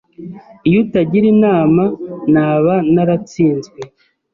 Iyo utagira inama, naba naratsinzwe.